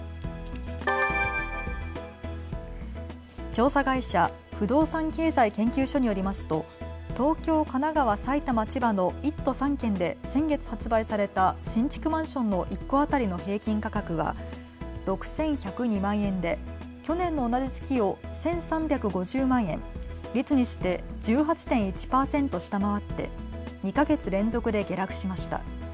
調査会社、不動産経済研究所によりますと東京、神奈川、埼玉、千葉の１都３県で先月発売された新築マンションの１戸当たりの平均価格は６１０２万円で去年の同じ月を１３５０万円率にして１８．１％下回って２か月連続で下落しました。